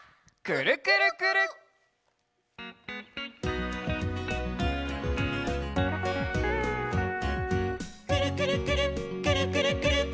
「くるくるくるっくるくるくるっ」